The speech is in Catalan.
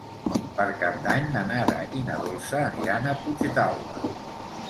Per Cap d'Any na Nara i na Dolça aniran a Puigdàlber.